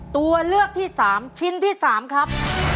ตัวเลือกที่๓ชิ้นที่๓ครับ